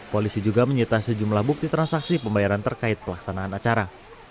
polisi juga menyita sejumlah bukti transaksi pembayaran terkait pelaksanaan acara